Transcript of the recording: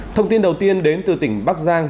thông tin đầu tiên đến từ tỉnh bắc giang